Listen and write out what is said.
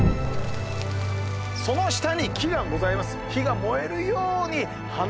その下に木がございます。